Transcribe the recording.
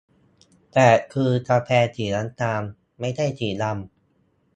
แต่คือกาแฟสีน้ำตาล ไม่ใช่สีดำ